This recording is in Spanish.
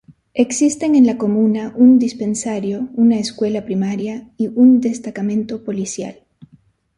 Existen en la comuna un dispensario, una escuela primaria y un destacamento policial.